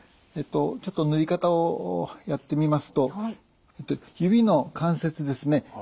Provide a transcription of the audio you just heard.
ちょっと塗り方をやってみますと指の関節ですね